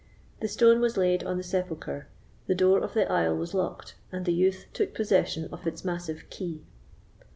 The stone was laid on the sepulchre, the door of the aisle was locked, and the youth took possession of its massive key.